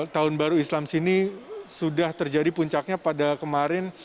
tahun baru islam sini sudah terjadi puncaknya pada kemarin